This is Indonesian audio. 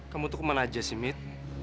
kamu tuh kemana aja sih mit